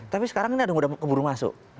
tapi sekarang ini ada keburu masuk